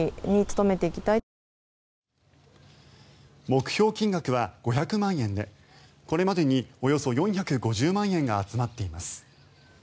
目標金額は５００万円でこれまでに、およそ４５０万円が集まっています。